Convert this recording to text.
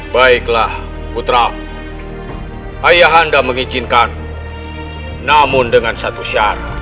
baiklah putra ayah anda mengizinkan namun dengan satu syarat